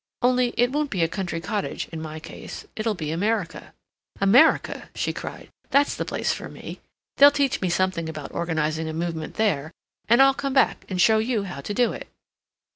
Only it won't be a country cottage in my case; it'll be America. America!" she cried. "That's the place for me! They'll teach me something about organizing a movement there, and I'll come back and show you how to do it."